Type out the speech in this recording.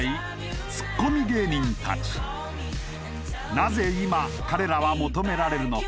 なぜ今彼らは求められるのか？